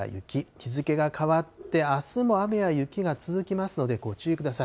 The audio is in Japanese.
日付が変わってあすも雨や雪が続きますので、ご注意ください。